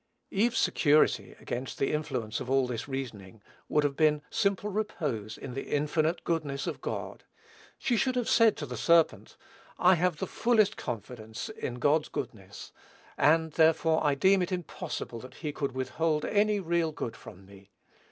Eve's security against the influence of all this reasoning, would have been simple repose in the infinite goodness of God. She should have said to the serpent, "I have the fullest confidence in God's goodness, and, therefore, I deem it impossible that he could withhold any real good from me.